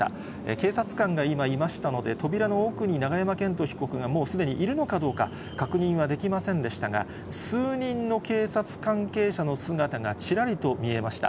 警察官が今いましたので、扉の奥に永山絢斗被告がもうすでにいるのかどうか、確認はできませんでしたが、数人の警察関係者の姿がちらりと見えました。